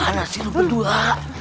mana sih lo berdua